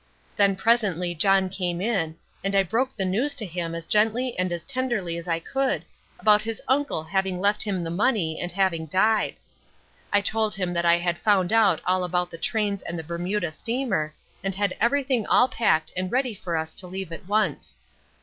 Then presently John came in, and I broke the news to him as gently and as tenderly as I could about his uncle having left him the money and having died. I told him that I had found out all about the trains and the Bermuda steamer, and had everything all packed and ready for us to leave at once.